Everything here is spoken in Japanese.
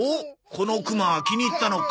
このクマ気に入ったのか。